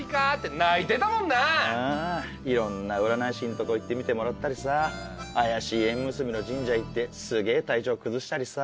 いろんな占い師んとこ行って見てもらったりさ怪しい縁結びの神社行ってすげぇ体調崩したりさ。